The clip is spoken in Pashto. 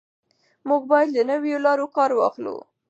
موږ باید له نویو لارو کار واخلو.